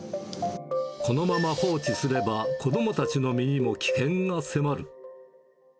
このまま放置すれば、子どもたちの身にも危険が迫る。